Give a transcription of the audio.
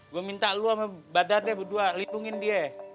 gue minta lo sama badar deh berdua lindungin dia